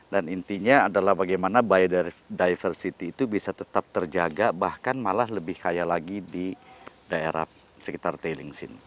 dan intinya adalah bagaimana biodiversity itu bisa tetap terjaga bahkan malah lebih kaya lagi di daerah sekitar tailing sini